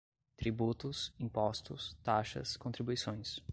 tributos, impostos, taxas, contribuições